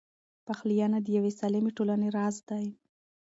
پخلاینه د یوې سالمې ټولنې راز دی.